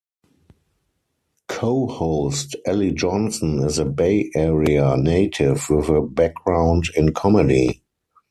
Co-host Ally Johnson is a Bay Area native with a background in comedy.